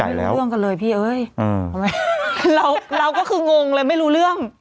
ไม่รู้เรื่องกันเลยพี่เอ้ยอ่าทำไมเราเราก็คืองงเลยไม่รู้เรื่อง